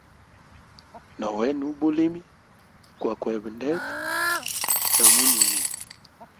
No wena ubulimi kwa kweba ndete na munyini.